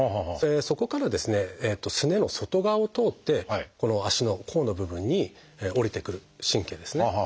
そこからですねすねの外側を通ってこの足の甲の部分に下りてくる神経ですね。